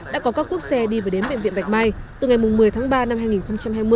đã có các cuốc xe đi và đến bệnh viện bạch mai từ ngày một mươi tháng ba năm hai nghìn hai mươi